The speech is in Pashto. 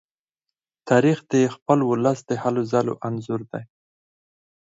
تاریخ د خپل ولس د هلو ځلو انځور دی.